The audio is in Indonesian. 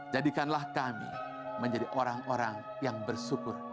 jadikanlah kami menjadi orang orang yang bersyukur